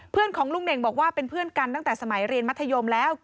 ของลุงเน่งบอกว่าเป็นเพื่อนกันตั้งแต่สมัยเรียนมัธยมแล้ว